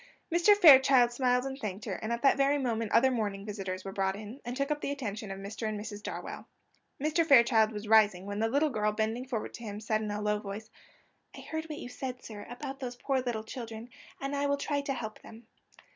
Mr. Fairchild smiled and thanked her, and at that very moment other morning visitors were brought in, and took up the attention of Mr. and Mrs. Darwell. Mr. Fairchild was rising, when the little girl, bending forward to him, said in a low voice: "I heard what you said, sir, about those poor little children, and I will try to help them."